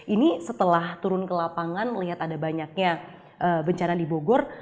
ini setelah turun ke lapangan melihat ada banyaknya bencana di bogor